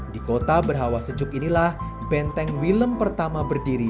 di kota berhawa sejuk inilah benteng willem pertama berdiri